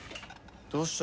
どうした？